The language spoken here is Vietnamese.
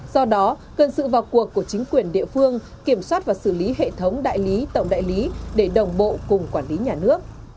do đó cần sự vào cuộc của chính quyền địa phương kiểm soát và xử lý hệ thống đại lý tổng đại lý để đồng bộ cùng quản lý nhà nước